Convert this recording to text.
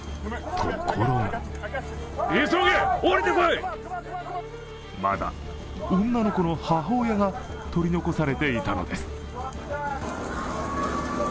ところがまだ女の子の母親が取り残されていたのです。